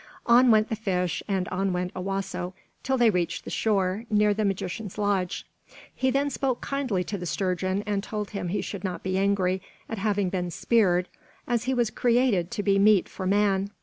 On went the fish, and on went Owasso, till they reached the shore, near the magician's lodge. He then spoke kindly to the sturgeon and told him he should not be angry at having been speared, as he was created to be meat for man.